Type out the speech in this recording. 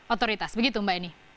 otoritas begitu mbak eni